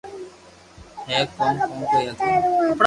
ھي ھون ڪوئي ڪئي ھگو